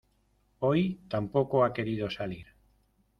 Hoy tampoco ha querido salir.